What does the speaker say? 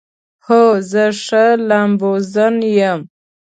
هو، زه ښه لامبوزن یم